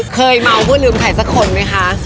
เคยเมาผู้ลืมไทยสักคนไหมคะ